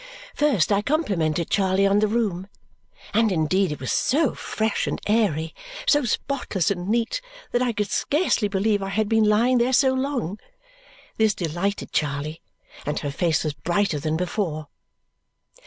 First I complimented Charley on the room, and indeed it was so fresh and airy, so spotless and neat, that I could scarce believe I had been lying there so long. This delighted Charley, and her face was brighter than before.